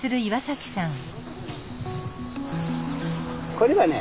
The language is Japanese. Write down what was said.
これはね